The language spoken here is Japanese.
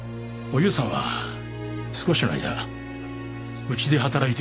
お夕さんは少しの間うちで働いていたんです。